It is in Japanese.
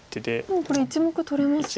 もうこれ１目取れますよね。